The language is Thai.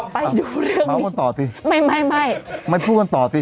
ไปดูเรื่องนี้ไม่ไม่พูดกันต่อสิ